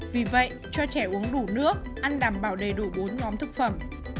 vì vậy cho trẻ uống đủ nước ăn đảm bảo đầy đủ bốn ngón thức phẩm